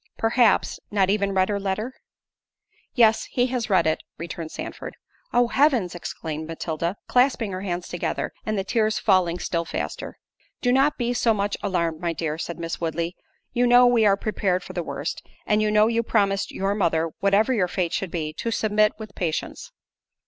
Perhaps—not even read her letter?" "Yes, he has read it," returned Sandford. "Oh Heavens!" exclaimed Matilda, clasping her hands together, and the tears falling still faster. "Do not be so much alarmed, my dear," said Miss Woodley; "you know we are prepared for the worst; and you know you promised your mother, whatever your fate should be, to submit with patience."